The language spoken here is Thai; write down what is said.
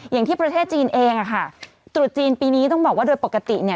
อย่างที่ประเทศจีนเองตรุษจีนปีนี้ต้องบอกว่าโดยปกติเนี่ย